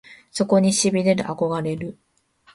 そこに痺れる憧れる